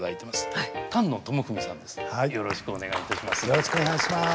よろしくお願いします。